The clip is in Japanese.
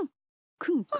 くんくん。